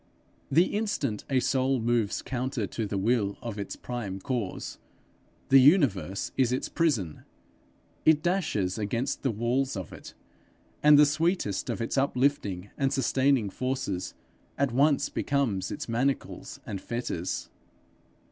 The instant a soul moves counter to the will of its prime cause, the universe is its prison; it dashes against the walls of it, and the sweetest of its uplifting and sustaining forces at once become its manacles and fetters.